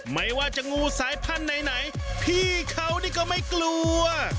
ไม่ว่าจะงูสายพันธุ์ไหนพี่เขานี่ก็ไม่กลัว